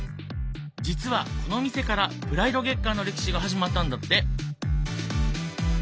実はこの店からプライド月間の歴史が始まったんだって。